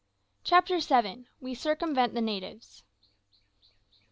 CHAPTER SEVEN. WE CIRCUMVENT THE NATIVES.